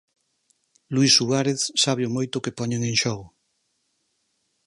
Luís Suárez sabe o moito que poñen en xogo.